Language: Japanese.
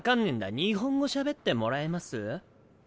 日本語しゃべってもらえます？